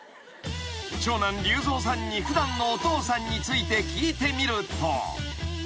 ［長男竜蔵さんに普段のお父さんについて聞いてみると］